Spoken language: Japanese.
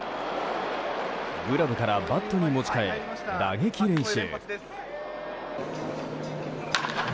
グラブからバットに持ち替え打撃練習。